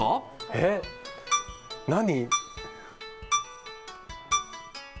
えっ、何？